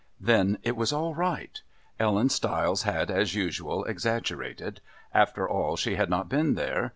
Then it was all right. Ellen Stiles had, as usual, exaggerated. After all, she had not been there.